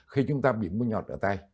khi chúng ta bị mưa nhọt ở tay